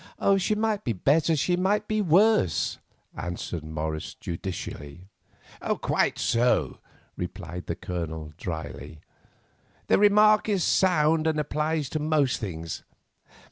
"She might be better and she might be worse," answered Morris, judicially. "Quite so," replied the Colonel, drily; "the remark is sound and applies to most things.